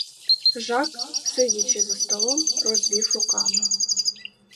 Жак, сидячи за столом, розвів руками.